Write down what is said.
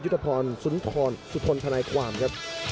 ยุทธพรสุนทนธนายความครับ